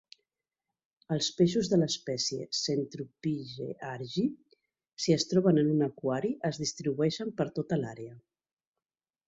Els peixos de l'espècie 'Centropyge argi', si es troben en un aquari, es distribueixen per tota l'àrea.